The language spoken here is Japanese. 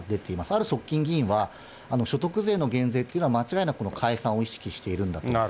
ある側近議員は、所得税の減税というのは間違いなく、解散を意識しているんだと。